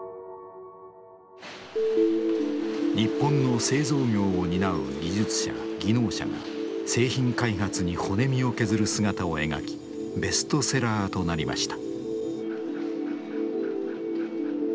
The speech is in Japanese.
日本の製造業を担う技術者・技能者が製品開発に骨身を削る姿を描きベストセラーとなりました。